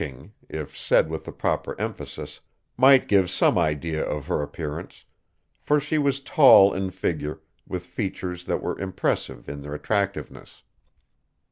"Fine looking," if said with the proper emphasis, might give some idea of her appearance, for she was tall in figure, with features that were impressive in their attractiveness.